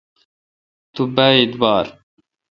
تو با اعبار ۔